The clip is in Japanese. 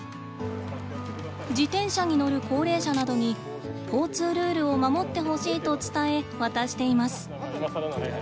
自転車に乗る高齢者などに交通ルールを守ってほしいと伝え渡しています。